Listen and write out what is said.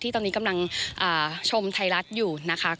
ตอนนี้กำลังชมไทยรัฐอยู่นะคะ